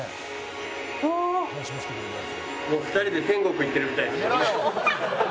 ２人で天国行ってるみたいですね。